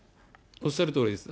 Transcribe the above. おっしゃるとおりです。